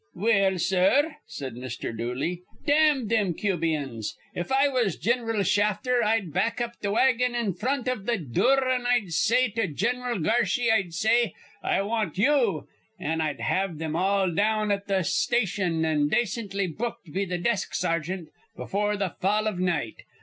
"Well, sir," said Mr. Dooley, "dam thim Cubians! If I was Gin'ral Shafter, I'd back up th' wagon in front iv th' dure, an' I'd say to Gin'ral Garshy, I'd say, 'I want you'; an' I'd have thim all down at th' station an' dacently booked be th' desk sergeant befure th' fall iv night.